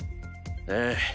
ええ。